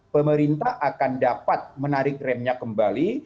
pemerintah akan dapat menarik remnya kembali